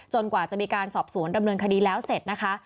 กว่าจะมีการสอบสวนดำเนินคดีแล้วเสร็จนะคะ